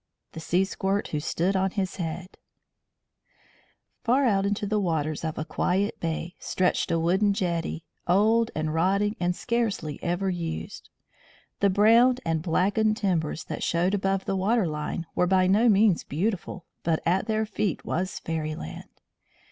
THE SEA SQUIRT WHO STOOD ON HIS HEAD Far out into the waters of a quiet bay stretched a wooden jetty, old and rotting and scarcely ever used. The browned and blackened timbers that showed above the water line were by no means beautiful, but at their feet was fairyland.